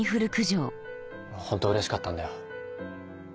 ホントうれしかったんだよ。